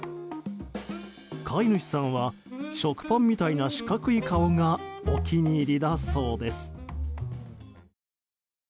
飼い主さんは食パンみたいな四角い顔がお気に入りだそうです。